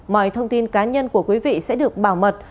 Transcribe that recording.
mọi thông tin cá nhân của quý vị sẽ được bảo mật